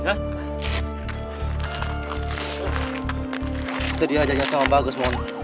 kita diajar iajar sama bagas